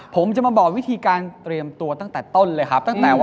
ผมจะมาบอกวิธีการเตรียมตัวตั้งแต่ต้นเลยครับ